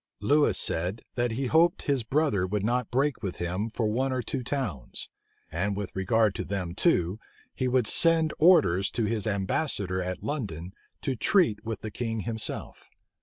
Lewis said, that he hoped his brother would not break with him for one or two towns: and with regard to them too, he would send orders to his ambassador at London to treat with the king himself.